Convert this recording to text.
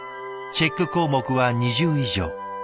チェック項目は２０以上。